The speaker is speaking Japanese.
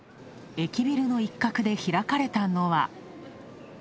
駅ビルの一角で開かれたのは。